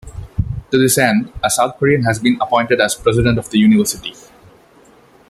To this end, a South Korean has been appointed as President of the University.